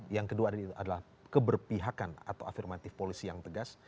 yang kedua adalah keberpihakan atau afirmatif polisi yang tegas